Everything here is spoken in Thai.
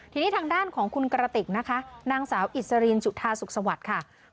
ทีนี้ทางด้านของคุณกระติกนะคะนางสาวอิสรินจุธาสุขสวัสดิ์ค่ะ